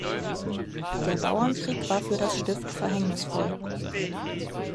Der Bauernkrieg war für das Stift verhängnisvoll.